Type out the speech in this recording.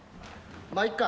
まあいいか。